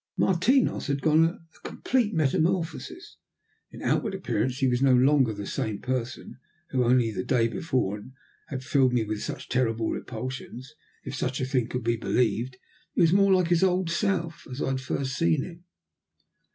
Martinos had undergone a complete metamorphosis. In outward appearance he was no longer the same person, who only the day before had filled me with such terrible repulsions. If such a thing could be believed, he was more like his old self as I had first seen him.